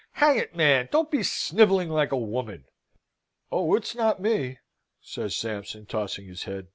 "Hang it, man! don't be snivelling like a woman!" "Oh, it's not me!" says Sampson, tossing his head.